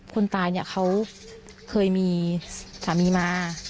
คนตายเนี่ยเขาเคยมีสามีมา